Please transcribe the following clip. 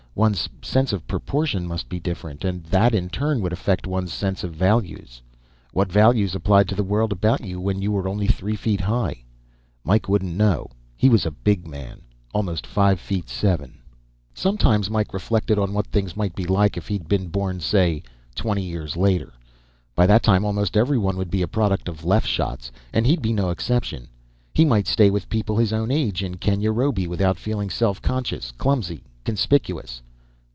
One's sense of proportion must be different. And that, in turn, would affect one's sense of values. What values applied to the world about you when you were only three feet high? Mike wouldn't know. He was a big man almost five feet seven. Sometimes Mike reflected on what things might be like if he'd been born, say, twenty years later. By that time almost everyone would be a product of Leff shots, and he'd be no exception. He might stay with people his own age in Kenyarobi without feeling self conscious, clumsy, conspicuous.